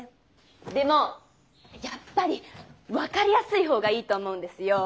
でもやっぱり分かりやすい方がいいと思うんですよ。